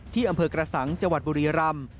ที่อำเภอกระสังจบุรีรำ